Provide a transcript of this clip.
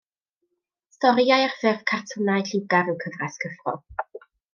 Storïau ar ffurf cartwnau lliwgar yw Cyfres Cyffro.